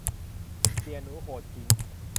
เสี่ยหนูโหดขิง